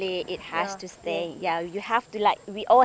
ini harus tetap diberi